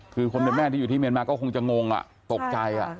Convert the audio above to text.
คือคนแม่ที่อยู่ที่เมริกาก็คงจะงงอ่ะตกใจอ่ะ